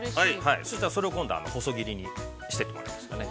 そしたら、それを今度は細切りにしていってもらえますかね。